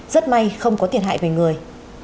rất may không có thiệt hại về người